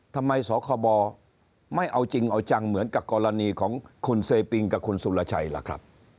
สคบไม่เอาจริงเอาจังเหมือนกับกรณีของคุณเซปิงกับคุณสุรชัยล่ะครับ